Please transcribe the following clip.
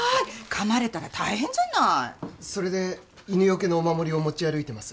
噛まれたら大変じゃないそれで犬よけのお守りを持ち歩いてます